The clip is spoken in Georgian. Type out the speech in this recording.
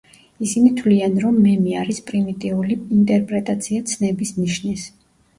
ისინი თვლიან, რომ მემი არის პრიმიტიული ინტერპრეტაცია ცნების ნიშნის.